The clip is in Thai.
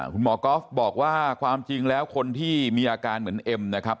หมอก๊อฟบอกว่าความจริงแล้วคนที่มีอาการเหมือนเอ็มนะครับ